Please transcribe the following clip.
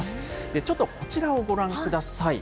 ちょっとこちらをご覧ください。